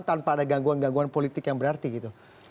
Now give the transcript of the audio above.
tanpa ada gangguan gangguan politik yang berarti gitu